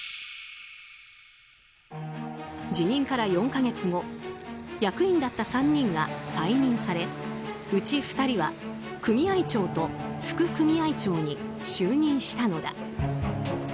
辞任から４か月後役員だった３人が再任されうち２人は組合長と副組合長に就任したのだ。